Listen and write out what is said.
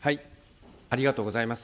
ありがとうございます。